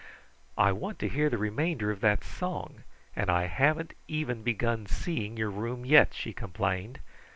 "I want to hear the remainder of that song, and I hadn't even begun seeing your room yet," she complained.